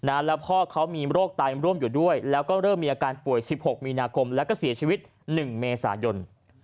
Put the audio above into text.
แล้วพ่อเขามีโรคไตร่วมอยู่ด้วยแล้วก็เริ่มมีอาการป่วย๑๖มีนาคมแล้วก็เสียชีวิต๑เมษายน